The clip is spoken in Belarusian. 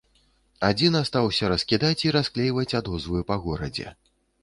Адзін астаўся раскідаць і расклейваць адозвы па горадзе.